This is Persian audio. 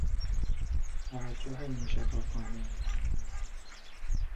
توجه موشکافانه